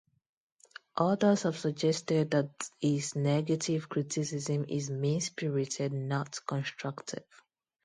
Others have suggested that his negative criticism is mean-spirited, not constructive.